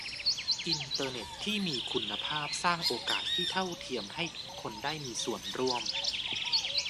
อินเตอร์เน็ตที่มีคุณภาพสร้างโอกาสที่เท่าเทียมให้ทุกคนได้มีส่วนร่วม